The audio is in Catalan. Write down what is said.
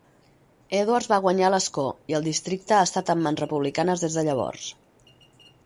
Edwards va guanyar l'escó, i el districte ha estat en mans republicanes des de llavors.